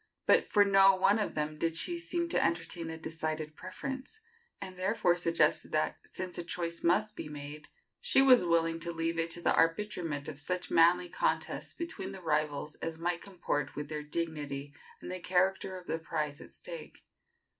But for no one of them did she seem to entertain a decided preference, and therefore suggested that, since a choice must be made, she was willing to leave it to the arbitrament of such manly contest between the rivals as might comport with their dignity and the character of the prize at stake.